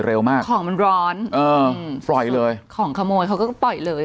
เร็วมากของมันร้อนเออปล่อยเลยของขโมยเขาก็ปล่อยเลย